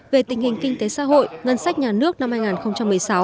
về tình hình kinh tế xã hội ngân sách nhà nước năm hai nghìn một mươi sáu